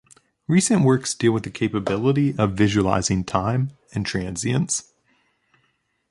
Recent works deal with the capability of visualizing time and transience.